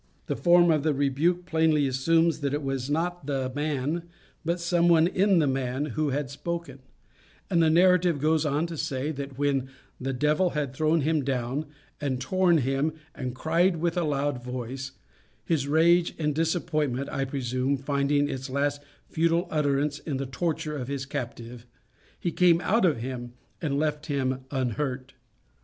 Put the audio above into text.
The form of the rebuke plainly assumes that it was not the man but some one in the man who had spoken; and the narrative goes on to say that when the devil had thrown him down and torn him and cried with a loud voice his rage and disappointment, I presume, finding its last futile utterance in the torture of his captive he came out of him and left him unhurt.